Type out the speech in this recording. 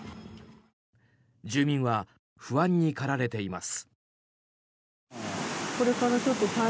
住民は不安に駆られています。